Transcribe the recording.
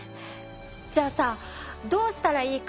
じゃあさどうしたらいいか？